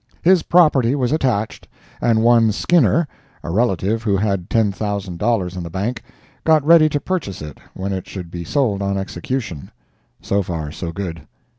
His property was attached, and one Skinner, a relative who had $10,000 in bank, got ready to purchase it when it should be sold on execution. So far, so good.